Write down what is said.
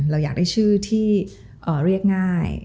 เราอยากได้ชื่อที่เรียกง่าย